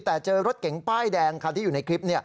แต่เจอรถเก๋งป้ายแดงคันที่อยู่ในคลิป